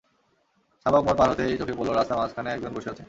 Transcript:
শাহবাগ মোড় পার হতেই চোখে পড়ল রাস্তার মাঝখানে একজন বসে আছেন।